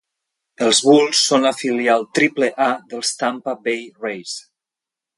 Els Bulls són la filial "Triple-A" dels Tampa Bay Rays.